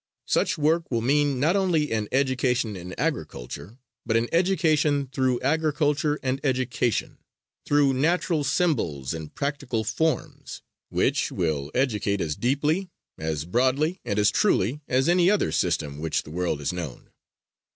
"Such work will mean not only an education in agriculture, but an education through agriculture and education, through natural symbols and practical forms, which will educate as deeply, as broadly and as truly as any other system which the world has known.